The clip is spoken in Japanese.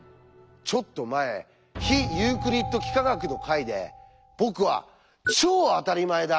ちょっと前「非ユークリッド幾何学」の回で僕は「超当たり前だ！」